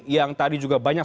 yang tadi juga banyak